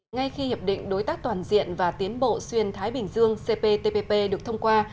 ngay khi hiệp định đối tác toàn diện và tiến bộ xuyên thái bình dương cptpp được thông qua